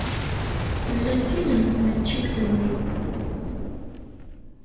Tella d tilemt tneččit-nni.